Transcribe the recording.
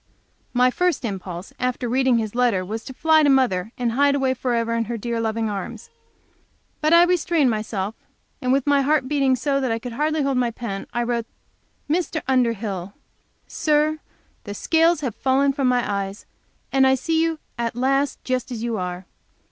My first impulse after reading his letter was to fly to mother, and hide away forever in her dear, loving arms. But I restrained myself, and with my heart beating so that I could hardly hold my pen, I wrote: Mr. Underhill Sir The scales have fallen from my eyes, and I see you at last just as you are.